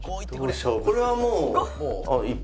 これはもう。